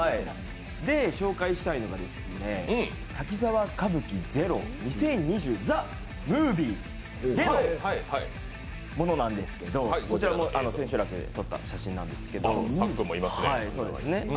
紹介したいのが、「滝沢歌舞伎ＺＥＲＯ２０２２ＴｈｅＭｏｖｉｅ」でのものなんですけどこちら、千秋楽で撮った写真なんですけど。